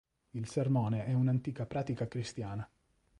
Il sermone è un'antica pratica cristiana.